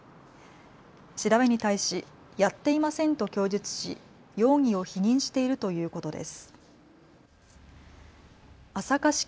調べに対しやっていませんと供述し容疑を否認しているということです。